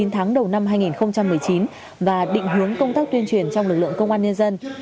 chín tháng đầu năm hai nghìn một mươi chín và định hướng công tác tuyên truyền trong lực lượng công an nhân dân